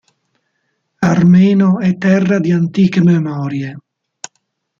Armeno è terra di antiche memorie.